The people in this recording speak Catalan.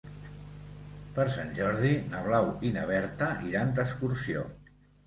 Per Sant Jordi na Blau i na Berta iran d'excursió.